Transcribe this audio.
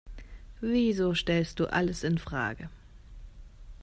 Wieso stellst du alles infrage?